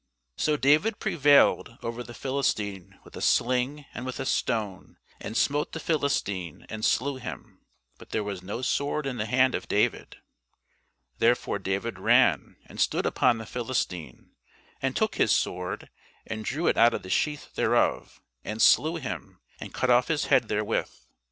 So David prevailed over the Philistine with a sling and with a stone, and smote the Philistine, and slew him; but there was no sword in the hand of David. Therefore David ran, and stood upon the Philistine, and took his sword, and drew it out of the sheath thereof, and slew him, and cut off his head therewith.